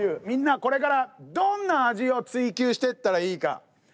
みんなこれからどんな味を追求してったらいいか。